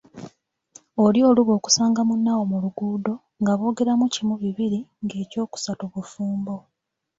Oli oluba okusanga munne awo mu luguudo, nga boogera mu kimu bibiri, ng’ekyokusatu bufumbo.